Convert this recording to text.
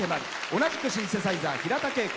同じくシンセサイザー、平田恵子。